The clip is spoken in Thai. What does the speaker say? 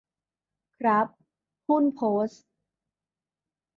ครับ หุ้นโพสต์